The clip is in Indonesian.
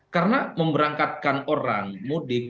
karena memberangkatkan orang mudik